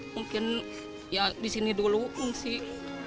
mungkin ya di sini dulu ngungsi